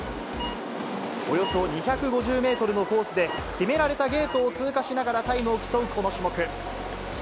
およそ２５０メートルのコースで、決められたゲートを通過しながらタイムを競うこの種目。